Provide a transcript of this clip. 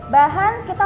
bahan kita fresh